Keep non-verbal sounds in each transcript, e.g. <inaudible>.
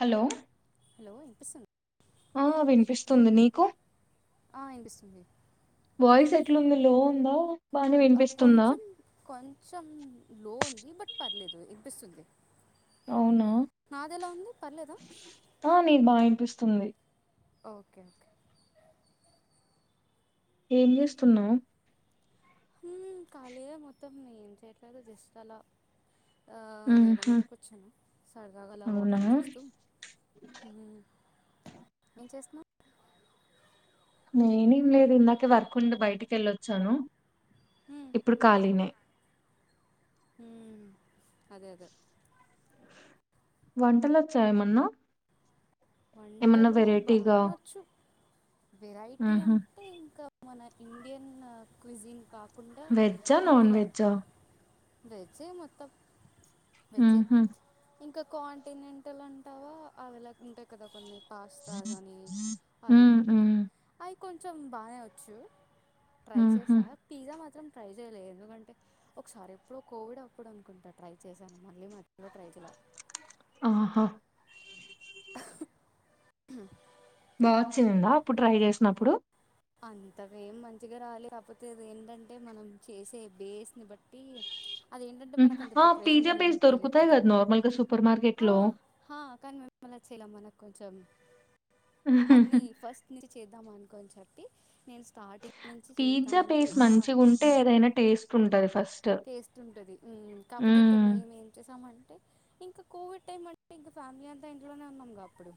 Hello hello ఇన్పిస్ ఆ వినిపిస్తుంది. నీకు? వినిపిస్తుంది వాయిస్ ఎట్లుంది లో ఉందా బానే ఆ వినిపిస్తుందా కొంచం కొంచం లో ఉన్ బట్ పర్లేదు ఇన్పిస్తుంది. అవునా ఉంది పర్లేదా ఆ నిద్ బా ఇన్పిస్ స్తుంది ఒకే కే ఏం చేస్తున్నావ్ ఊ ఖాళీగే మొత్తం ఏం చేయట్లేదు జస్ట్ అలా ఆ మేడ ఉహు మీదకొచ్చాను సరదాగల అవునా వాకింగ్ చేస్తూ. హు ఏం చేస్తున్న నేనేం లేదు ఇందాకే వర్క్ ఉండి బయటికి వెళ్ళొచ్చాను మ్మ్. ఇప్పుడు ఖాళీనే హూ అదదే వంటలొచ్చ ఏమన్న వంటలు బానే వచ్చు వెరైటీ ఉహు అంటే ఇంక మన ఇండియన్ క్విజిన్ కా వెజా నాన్ వెజా దయచే మొత్తం వెజ్జే ఉహు ఇంకా కాంటినెంటల్ అంటావా అవిలా ఉంట కద కొన్ని పాస్తా గాని అవి ఉమ్ ఉమ్ కొంచెం బానే వచ్చు ట్రై ఉహు చేసా పిజ్జా మాత్రం ట్రై చేయలే, ఎందుకంటే ఒకసారి ఎప్పుడో కోవిడ్ అప్పుడు అనుకుంట ట్రై చేశాను మళ్ళీ మధ్యలో ట్రై చేయలా. ఆహా బా వచ్చిందా అప్పుడు ట్రై చేసినప్పుడు? అంతగ ఏం మంచిగ రాలే. కాకపోతే అది ఏంటంటే మనం చేసే బేస్ని బట్టి అదేంటంటే మ్మ్. మనకు అంత ఆ ప్రిపరేషన్స్ పిజ్జా ఏం బేస్ తెలిద్ దొరుకుతాయి కద కదా నార్మల్ గా సూపర్ మార్కెట్ ఆ లో హా కానీ మేములా చేలేం మన కొంచం అన్ని ఫస్ట్ నుంచి చేద్దాం అన్ కొన్ చెప్పి పిజ్జా చేద్దామని పేస్ ఇంకా మంచిగుంటే ఏదైనా టేస్ ఉంటుంది ఫస్ట్ టేస్ట్ ఉంటది కాకపోతే ఇంకా హ్మ్ మేము ఏం చేసామంటే ఇంకా కోవిడ్ టైమ్ అంటే ఇంకా ఫ్యామిలీ అంతా ఇంట్లోనే ఉన్నాం కాబ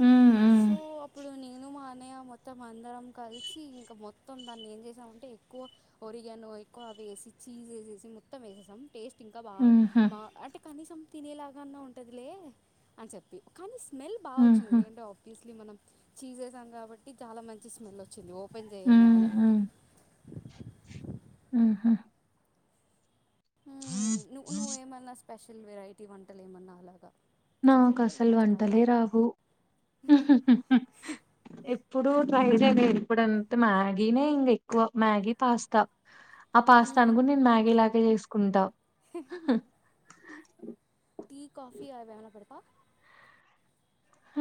హ్మ్ హ్మ్ సో అప్పుడు సినినుమా అన్నయ్య మొత్తం అందరం కలిసి ఇంకా మొత్తం దాన్ని ఏం చేసామంటే ఎక్కువ ఒరిగను ఎక్కువవి వేసిచ్చి చీసేసేసి ముత్తం వేసేసాం టేస్ట్ ఇంకా బాగా ఉహూ బా అంటే కనీసం తినేలాగన్నా ఉంటదిలే అని చెప్పి కానీ స్మెల్ బాగా ఉహూ వచ్చిందిందుకంటే ఆఫీస్ ఇ మనం చసేసాం కాబట్టి చాలా మంచి స్మెల్ వచ్చింది ఓ ఒపం హ్మ్ చేయంగనే ఆహా హీ మ్మ్. నువ్వు హ నువ్వేమన్నా స్పెషల్ వెరైటీ వంటలు ఏమన్నా అలాగా నాకు చేసావా ఈ అసలు మధ్యకాలంలో వంటలే రావు ఎప్పుడు ట్రై అ ఇప్పుడంతే మ్యాగీనే ఇంకా ఎక్కువ మ్యాగీ పాస్తా ఆ పాస్తా మ్మ్. అనుకు నేను మ్యాగీ లాగ చేసు కుంద వా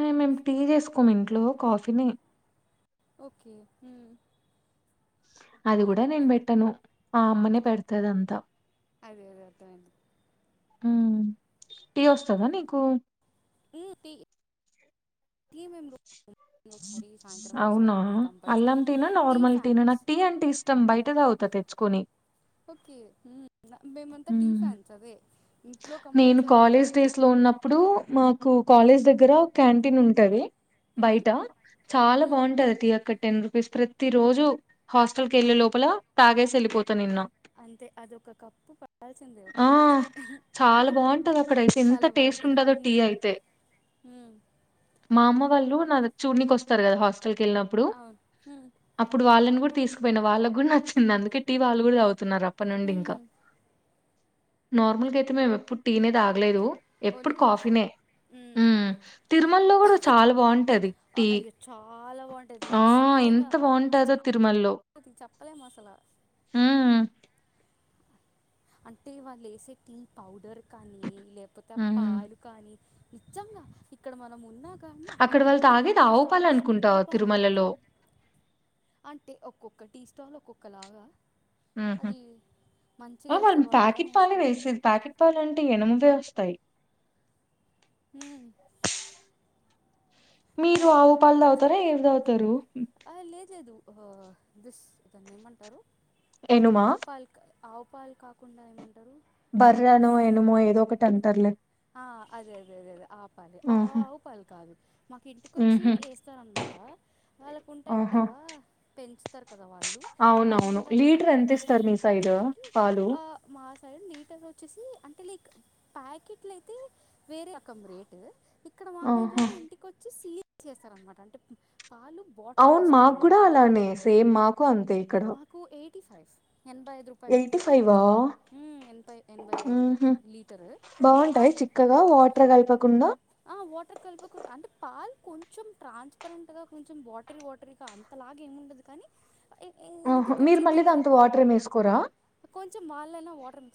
ఆ మేము టీ చేసుకోము ఇంట్లో కాఫీని ఓకే అది కూడా నేను పెట్టను ఆ అమ్మనే పెడతుద అంతా అదే అదే అర్థమడి టీ వస్తందా నీకు మ అవునా టీ కంపల్సరీ అల్లం టీనా టీ నార్మల్ టీనా ఫ్యాన్స్ నాకు టీ అంటే ఇష్టం బయట త అవుతా తెచ్చుకొని ఓకే మ్మ్, మేమంతా టీ హ్మ్. ఫ్యాన్స్ అదే ఇంట్లో నేను కంపల్సరీ టీ కాలేజ్ డేస్ లో ఉన్నప్పుడు మాకు కాలేజ్ దగ్గర క్యాంటీన్ ఉంటంది మ్మ్, బయట చాలా మ్మ్. బాగుంటది తీ అక్కట్ టెన్ రూపీస్ ప్రతి రోజు హాస్టల్ క వెళ్ళే లోపల తాగేసి వెళ్ళిపోచ్చంది అంతే అదొక కప్పు పడాల్సిందే ఒక ఆ! రోజుకి చాలా బాగుంటది అక్కడయితే ఎంత చాలా టేస్ట్ బాగుంటుంది ఉండదో టీ మ్మ్, అయితే మ్మ్, మామ్మ నా చూడి వస్త కదాస్ వెళ్ళినప్పుడు అవును మ్మ్, అప్పుడు వాళ్ళని కూడా తీసుకుపోయిన వాళ్ళకి కూడా నచ్చింది అందుకేటి వాళ్ళ కూడాత తున్నారు అప్ప నుండి ఇంకా మ్మ్. నార్మల్ కే మేమెప్పుడూ టీనే తాగలేదు ఓలీ ఎప్పుడు కాఫీ కాఫీనే మ్మ్. హ్మ్మ్ తిరుమల లో కూడా చాలా బాగుంటది ఆ, టీ అయ్యో చాలా బాగుంటుంది ఆ అసలు నిజంగా ఎంత బాగుంటాదో అది తిరుమ లో చెప్పలేము అసలు హ అంటే వాళ్ళు వేసే టీ పౌడర్ కానీ లేకపోతే ఆ హ్మ్. పాయలు కానీ ఇచ్చం ఇక్కడ మనం ఉన్నా కా అక్కడ వాళ్ళు ఉ తాగేది టీ ఆవు స్టాల్ పాలనుకుంటా స్మెల్ బాగుంటది తిరుమలలో. అంటే ఒక్కొక్క టీ స్టాల్ ఒక్కొక్క ఒకలాగా హుహు. అది మ ఆ వాళ్ళం ప్యాకెట్ పలు వేసేది ప్యాకెట్ పాలు అంటే ఎన ఉదస్తథాయి హ్మ్మ్ మీరు ఆవు పాలు ద అవుతారా ఏవి త అవుతారు ఆ లేదు లేదు ఆ దిస్ దాన్ని ఏమంటారు ఎనుమా? ఆవు పాలు ఆవు పాలు కాకుండా ఏమంటారు బర్్రనో బస్ ఏనుమో ఏదో ఒకటి అంటర్లే ఆ అదే అదే అదే అదే ఆ పల్ ఆహా! ఆవు పల్ కాదు మాకు ఇంటికి వచ్చి హుహు. వేస్తారనమాట వాళ్ళకు ఉంటాయి ఆహా! కదా పెంచుతారు కదా వాళ్ళు వాళ్ళు అవునవును. ఏంటంటే లీటర్ ఎంతిస్తారు మీ సైడు పితికి పాలు? మా సరే లీటర్ వచ్చేసి అంటే లైక్ ప్యాకెట్ వట్ల అయితే వేరే అకం రేటు ఇక్కడ ఆహా! వాగాేంటంటే ఇంటికి వచ్చి సీ ఏ చేస్తార అనమాట అంటే పాలు బాటిల్‌లో అవును మాకు కూడా ఇస్తారనమాట. అలానే సేమ్ మాకు అంతే ఇక్కడ ఫ ఫై్ <inaudible> ఎనభై ఐదు రూపాయలు ఎయిటీ ఫైవా ఎనభై ఎనభై ఐదు ఊహు లీటర్ బాగుంటాయి చిక్కగా వాటర్ కలపకుండా ఆ వాటర్ కలిపకుడా అంటే పాలు కొంచెం ట్రాన్స్పరెంట్గా కొంచెం వాటరీ వాటరీగా అంతలాగ ఏమి ఉండదు కానీ ఏ ఏది ఆహా మీరు తెలిసిందే మళ్ళీ కదా దాంతో వాటర్ ఏమి వేసుకోరా కొంచెం మాాలయినా వాటర్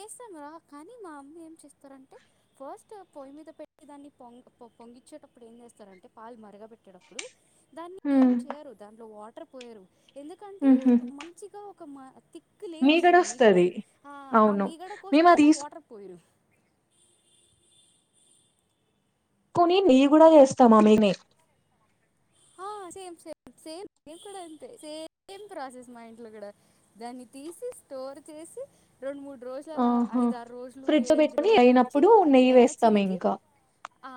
చేస్తాం రా కానీ మా అమ్మ ఏం చేస్తారంటే ఫస్ట్ అవి పొయి మీద పె అ దాన్ని పొ పొంగించేటప్పుడు ఏం చేస్తారంటే పాలు మరగ పెట్టేటప్పుడు దాన్ని ఏం హ్మ్ చేయరు దాంట్లో వా ర్ పోయేరు ఎందుకంటే ఊహు మంచిగా <inaudible> లేయరు వస్తది మీగడ ఆ ఆ అవును మీగడ కోసం మేము అది అయినా వాటర్ పోయల్ కొని నెయ్యి కూడా చేస్తామ్ ఆ మీ ని ఆ సేమ్ సేమ్ సేమ్ అంతే సేమ్ ప్రాసెస్ మా ఇంట్లో కూడా దాన్ని తీసి స్టోర్ చేసి రొండు మూడు రోజులలా ఆహా ఐద ఆారు రోజులు ఫ్రిడ్జ్ లో ఏడెనిమిది పెట్టుకొని రోజులు వుంచి అయినప్పుడు నెయ్యి వెన్న వేస్తాం చిలికి ఇంకా ఆ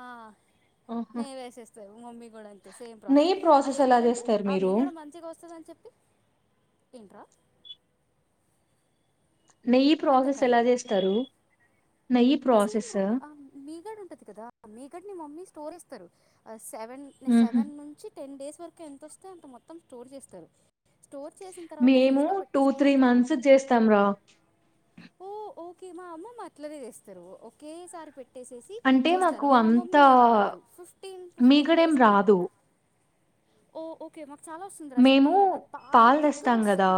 ఆహా నెయ్య వేసేస్తారు మమ్మీ కూడా అంతే సేమ్ నెయ్యి ప్రాసెస్ ఎలా అదేంటంటే చేస్తారు ఆ మీరు మీగడ మంచిగా వస్తుందని చెప్పి ఆ నెయ్యి అర్థం ప్రాసెస్ ఎలా కాలేదు జేస్తారు అరే సేమ్ రా ఆ మీగడ ఉంటది కదా ఆ మేగడ్ ని మమ్మీ స్టోరేజ్ <inaudible> సెవెన్ ఊహు సెవెన్ నుంచి టెన్ డేస్ వరకు ఎంత వొస్తే అంత మొత్తం స్టోర్ చేస్తారు స్టోర్ చేసిన తర్వాత మేము ఫ్రిడ్జ్లో టూ త్రీ పెట్టేసుకున్నాక మంత్స్ చేస్తాం రా ఓ ఓకే మా అమ్మమ్మ అట్లనే జేస్ ఓకే సారి పెట్టేేసి అంటే మాకు చేస్తారు మా అంత మమ్మీ అలా కాదు ఫిఫ్టీన్ ఫిఫ్టీన్ మీగడేం డేస్ కి రాదు. ఓ ఓకె మా చాలా వస్తుందిరా మేము చెప్పాను కదా బాగా పాలు తిక్కుగా తెస్తాం గదా వస్తది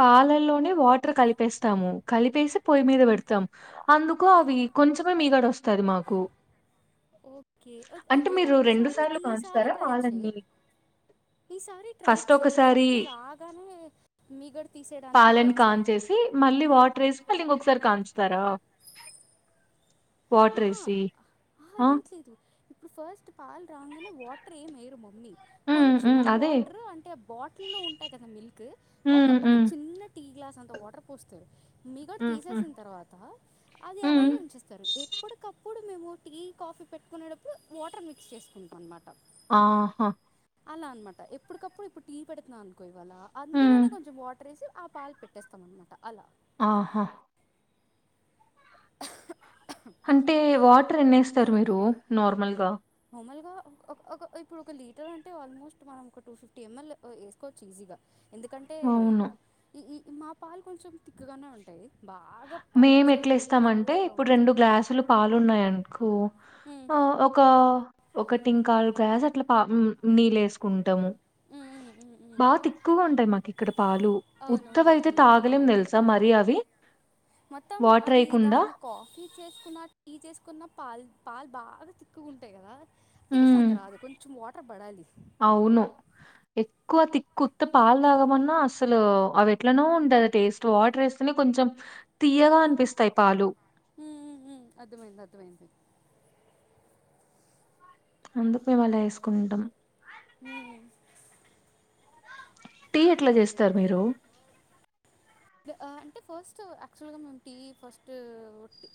పాలల్లోనే వాటర్ కలిపేస్తాము కలిపేసి పొయ్యి మీద పెడతాము అందుకు అవి కొంచమే మీగడ వొస్ ఓకే అంటే అయితే మీరు రెండు ఒకసారి సార్లు ఈసారి కాంచుతారా ట్రై చేయ్ పాలని? ఈసారి ట్రై ఫస్ట్ చేయ్ ఒకసారి ఫస్ట్ రాగానే మీగడ తీసేయడానికి ట్రై పాలని కాం చేయి చేసి మళ్ళీ వాటర్ ఏసి మళ్ళీ ఇంకొకసారి కాంచుతారా వాటర్ ఏసి అహా ఆ లేట్ లేదు ఫస్ట్ పాలు రాంగా నే వాటర్ ఏమి ఎయ్యరు మమ్మీ హ్మ్ హ్మ్ కొంచమే అదే వాట్రు అంటే బాటిల్లో ఉంటాయి కదా మిల్క్ హ ఒక ఒక చిన్న టీ గ్లాస్ అంతా వాటర్ పోస్తారు మీగడ హ్మ్ తీసేసిన తర్వాత అది హ్మ్. అలాగే ఉంచేస్తారు ఎప్పుడుకప్పుడు మేము టీ కాఫీ పెట్టుకునేటప్పుడు వాటర్ మిక్స్ చేసుకుంటాం అనమాట ఆహా అలా అనమాట ఎప్పుడుకప్పుడు ఇప్పుడు టీ పెడుతునానుకో కో ఇవాల హ్మ్. అందులోనే కొంచెం వాటరేసి ఆ పాలు పెట్టేస్తామనమాట అలా ఆహా అంటే వాటర్ ఎన్నేస్తారు మీరు నార్మల్గా నార్మల్గా ఒక ఒక ఇప్పుడు ఒక లీటర్ అంటే ఆల్మోస్ట్ మనం ఒక టూ ఫిఫ్టీ ఎంఎల్ వేసుకోవచ్చు ఈజీగా ఎందుకంటే అవును. ఇ ఇ మా పాలు కొంచెం తిక్క్ గనే ఉంటాయి బాగా మేము పల్చగా నీళ్ళ ఎట్లేస్తాం అంటే నీళ్ళలాగా ఇప్పుడు ఉండదు రెండు గ్లాసులు పాలున్నాయనుకో ఒక ఒక టీంకాలు గ్యాస్ అట్లా పా ఉమ్ నీల్ వేసుకుంటాము బా తిక్కుగుంటాయి మాకిక్కడ పాలు. అవునవును ఉత్తవయితే అదమైంది తాగలేం అదమైంది తెలుసా మరీ అవి మొత్తం అది వాటరేయకుండా. దాన్ని కాఫీ చేసుకున్న టీ చేసుకున్న పాల్ పాల్ బాగా తిక్కుగాంటాయి కదా టేస్ట్ హ్మ్. అంత రాదు కొంచెం వాటర్ పడాలి అవును. ఎక్కువ తిక్కుత్త పాలు తాగమన్నా అసలు అవి ఎట్లనో ఉంటది టేస్ట్ వాటర్ వేస్తేనే కొంచెం తీయగా మ్మ్, అనిపిస్తాయ్ పాలు మ్మ్, మ్మ్, మ్మ్. అర్థమైంది అర్థమైంది అందుకు వల వేసుకుంటాం ఉమ్ టీ ఎట్లా చేస్తారు మీరు అంటే ఫస్ట్ యాక్చువల్గా మేము టీ ఫస్ట్ ఒట్టి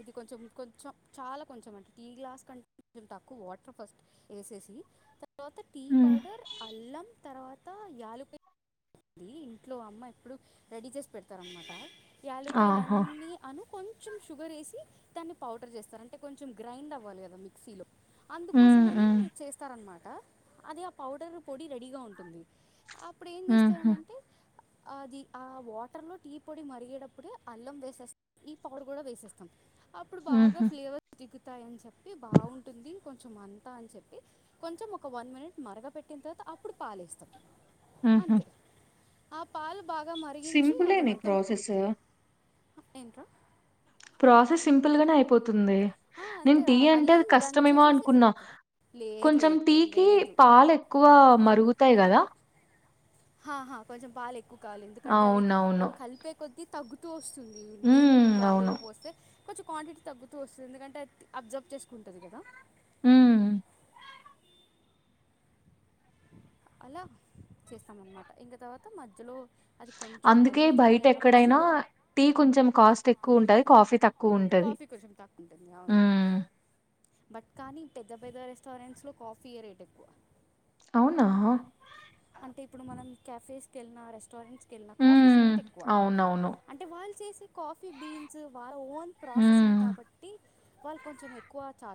ఇది కొంచం కొంచం చాలా కొంచం అంటే టీ గ్లాస్ కంటే కొంచం తక్కువ వాటర్ ఫస్ట్ ఏసెసి తర్వాత టీ హ్మ్ పౌడర్ అల్లం తర్వాత యాలుపైండి ఇంట్లో అమ్మ ఎప్పుడు రెడీ చేసి పెడతారనమాట యాలుకాయలు ఆహా! అన్నీ అనుకొ కొంచెం షుగర్ ఎసి దాన్ని పౌడర్ చేస్తారు అంటే కొంచెం గ్రైండ్ అవ్వాలి కదా మిక్సీలో హ్మ్. అందుకోసమని హ్మ్. చేస్తారన్నమా ట అది ఆ పౌడర్ పొడి రెడీగా ఉంటుంది అప్పుడు ఏం హుహు. చేస్తామంటె ఆది ఆ వాటర్ లో టీ పొడి మరిగేటప్పుడే అల్లం వేసేస్ ఈ పౌడర్ కూడా వేసేస్తాం అప్పుడు బాగా హుహు. ఫ్లేవర్స్ దిగు ఉతాయ అని చెప్పి బాగుంటుంది కొంచెం అంతా అని చెప్పి కొంచెం ఒక వన్ మినిట్ మరగ పెట్టిన తర్వాత అప్పుడు పాలేస్తాం హ్మ్ హు అంతే ఆ పాల్ బాగా మరిగించి అది మొత్తం పొ ప్రాసెసు. ఏంట్రా ప్రాసెస్ సింపుల్ గానే అయిపో తుంది ఆ, నేను అంతే టీ ఆ అంటే అల్లం అది కష్టమేమో దంచేసేసి అనుకున్నా లేదు కొంచెం లేదు టీ కి లేదు పాలు ఎక్కువ మరుగుతాయి గదా హహా కొంచెం పాలే క్కు కాలి ఎందుకంటే అది అవునవును. కలిపే కొద్దీ తగ్గుతూ వస్ స్తుంది నీళ్ళు హ్మ్. పాలు అవును. పోస్తే కొంచెం క్వాంటిటీ తగ్గుతూ వస్తుంది ఎందుకంటే అ అబ్జర్బ్ చేసుకుంటది కదా హ్మ్ అలా చేస్తాం అనమాట ఇంక తర్వాత మధ్యలో అది కొంచెం అందుకే మరుగుతుంది బయట అన్నప్పుడు ఎక్కడైనా షుగర్ టీ కొంచెం కాస్ట్ ఎ కు ఉంటది కాఫీ తక్ కాఫీ కొంచం తక్ ఉంటది అవును బట్ కానీ పెద్ద పెద్ద రెస్టారెంట్స్ లో కాఫీయే రేట్ ఎక్కువ అవునా! అంటే ఇప్పుడు మనం క్యఫేస్ కెళ్ళిన రెస్టారెంట్స్ కెల్నా కాఫీస్ హ్మ్. రేట్ ఎక్కువ అవునవును. అంటే వాళ్ళు చే కాఫీ బీన్స్ వా ఆ ఓన్ ప్రాసెసింగ్ హ్మ్. కాబట్టి వాళ్ళ కొంచెం ఎక్కువ చా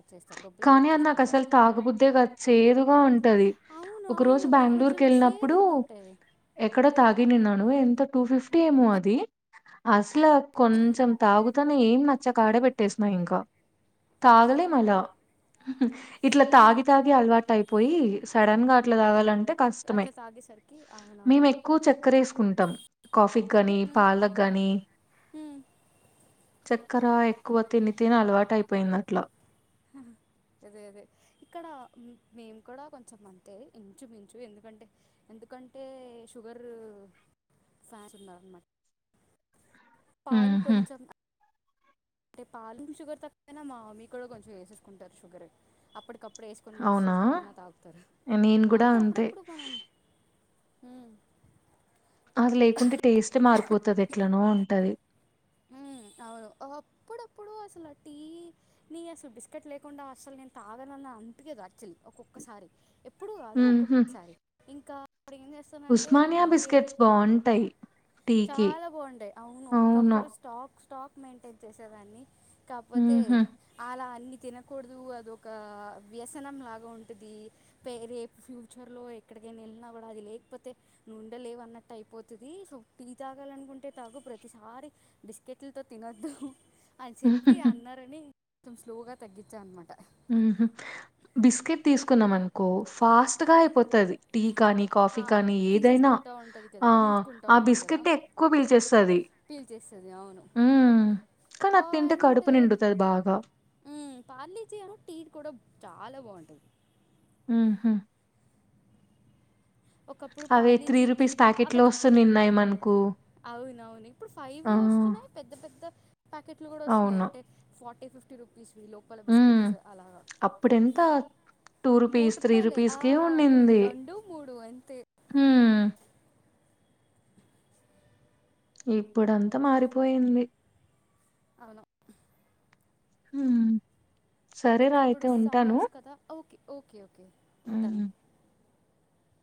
కానీ అది నాకు అసలు తాగుబుద్దే కాదు చేదుగా ఉ టది అవును ఒక రోజు అవును అవి కొంచెం బ్యాంగళూరుకు ఎళ్ళినప్పుడు చేదుగా ఉంటాయి ఎక్కడో తాగినిన్నాను ను ఎంతో టు ఫిఫ్టీ ఏమో అది అ ఇట్లా కొంచెం తాగుతానే ఏం న చ్చక ఆడే పెట్టేస్నా ఇంకా తాగలేం అలా ఇట్లా మ్మ్. తాగి తాగి అలవాటు అయిపోయి సడన్ గా ఇట్ల దాగాలన్ టే కష్టమే అట్లా తాగేసరికి మేము అవునవును ఎక్కువ చక్కర వేసుకుంటాం కాఫీగ్గానీ, పాలగ్గాని మ్మ్. చ క్కర ఎక్కువ తిని తిని అలవాట అయిపోయింది అట్ల అదే అదే ఇక్కడ మేము కూడా కొంచెం అంతే ఇంచుమించు ఎందుకంటే ఎందుకంటే షుగర్ ఫ్యాన్స్ ఉన్నారనమా పాలు హుహు. కొంచం అంటే పాలు షుగర్ తక్కువైనా మా మమ్మీ కూడా కొంచెం వేసేసుకుంటారు. షుగర్ అప్పటికప్పుడు అప్పుడేసుకొని మిక్స్ అవునా? చేసుకొని అయినా తాగుతారు నేను గూడా అంటే అంతే. అప్పుడప్పుడు మనం హ్మ్మ్ అది లేకుంటే టేస్టే మారిపోతది. ఎట్లనో ఉంటది మ్మ్ అవును అప్పుడప్పుడు అసలు ఆ టీ నీ అసలు బిస్కెట్ లేకుండా అసలు నేను తాగగలన అందుకే యాక్చుల్లీ ఒక్కొక్కసారి ఇప్పుడు కాదు ఉహు ఒక్కొక్కసారి ఇంకా అప్పుడు ఏం చేస్తానంటే ఉస్మానియా బండి బిస్కెట్స్ బాగుంటాయి టీకి చాలా బాగుంటాయి అవును ఒకప్పుడు స్టాక్ స్టాక్ మెయింటైన్ చేసేదాన్ని కాకపోతే ఉహు అలా అన్ని తినకూడదు అదొక వ్యసనం లాగా ఉంటది పే రేపు ఫ్యూచర్లో ఎక్కడికైనా వెళ్ళినా కూడా అది లేకపోతే నువ్వు ఉండలేవు అన్నట్టు అయిపోతది సో టీ తాగానుకుంటే తాగు ప్రతిసారి బిస్కెట్లుతో తినద్దు అని చెప్పి అన్నారని కొంచెం స్లోగా తగ్గించా అనమాట బిస్కెట్ తీసుకున్నాం అనుకో ఫాస్ట్ గా అయిపో టీ కానీ కాఫీ కానీ ఏదైనా తీసేసుకుంటూ ఉంటుంది కదా ఆ పీల్చుకుంటూ ఆ ఉంటుంది కదా బిస్కెటే ఎక్కువ పీల్చేస్తది పీల్ చేస్తుంది అవును మ్మ్ కానీ అ తింటే కడుపు అండ్ నిండుతది బాగా హ్మ్. పార్లీజీ అను టీ కూడా చాలా బాగుంటది మ్మ్ హ్మ్ ఒకప్పుడు అవే three Parle G tea rupees packet బాగా లో తాగే వస్తున్నాయి మనకు అవునవును ఇప్పుడు ఫైవ్ ఆ వస్తున్నాయి పెద్ద పెద్ద ప్యాకెట్లు కూడా వస్తున్నాయి అవును అంటే ఫార్టీ ఇది ఫిఫ్టీ రుపీస్ లోపల ఉమ్ బిస్కెట్స్ అలాగా అప్పుడెంత టూ రూపీస్ త్రీ మూటిపాయలే రూపీస్ కి ఉండింది రెండు మూ తే హ్మ్ ఇప్పుడంతా మారిపోయింది అవును మ్మ్ ఇంక ఇప్పుడు సమ్మర్స్ కదా ఓకే ఓకే ఓ కే ఉంటాను హ్మ్